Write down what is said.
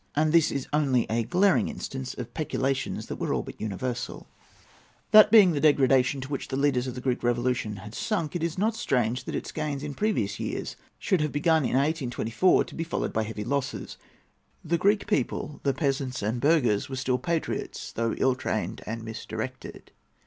[A] And that is only a glaring instance of peculations that were all but universal. [Footnote A: Trikoupes, vol. iii., p. 206.] That being the degradation to which the leaders of the Greek Revolution had sunk, it is not strange that its gains in previous years should have begun in 1824 to be followed by heavy losses. The Greek people—the peasants and burghers—were still patriots, though ill trained and misdirected.